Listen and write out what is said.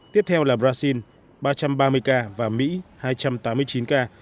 tiếp theo là brazil ba trăm ba mươi ca và mỹ hai trăm tám mươi chín ca